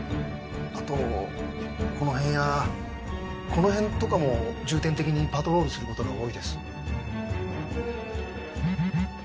あとこの辺やこの辺とかも重点的にパトロールすることが多いです。